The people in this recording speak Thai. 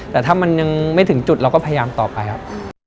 แต่ถ้ามันยังไม่ถึงจุดเราก็พยายามต่อไปครับ